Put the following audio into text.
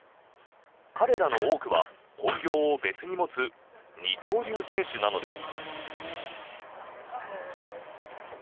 彼らの多くは本業を別に持つ二刀流選手なのです。